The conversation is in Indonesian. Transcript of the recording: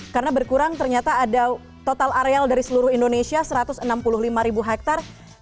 karena berkurang ternyata ada total areal dari seluruh indonesia satu ratus enam puluh lima hektare